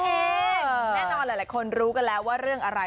แน่นอนหลายคนรู้กันแล้วว่าเรื่องอะไร